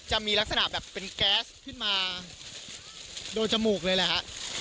จะมีลักษณะแบบเป็นแก๊สขึ้นมาโดนจมูกเลยแหละฮะ